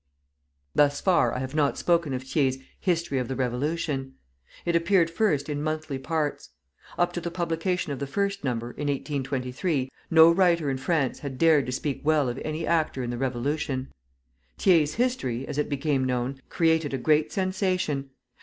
Thus far I have not spoken of Thiers' "History of the Revolution." It appeared first in monthly parts. Up to the publication of the first number, in 1823, no writer in France had dared to speak well of any actor in the Revolution. Thiers' History, as it became known, created a great sensation.